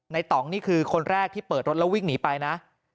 ต่องนี่คือคนแรกที่เปิดรถแล้ววิ่งหนีไปนะ